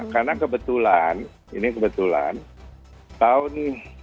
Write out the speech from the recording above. karena kebetulan ini kebetulan tahun seribu sembilan ratus tujuh puluh enam